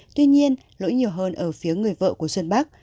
tuy nhiên lỗi nhiều hơn ở phía người vợ của xuân bắc